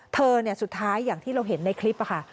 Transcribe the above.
สุดท้ายอย่างที่เราเห็นในคลิปค่ะ